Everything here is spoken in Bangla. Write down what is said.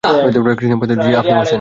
কৃষ্ণকান্ত জি, আপনি বসেন।